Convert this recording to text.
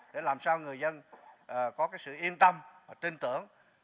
để làm sao người dân có cái sự yên tâm tin tưởng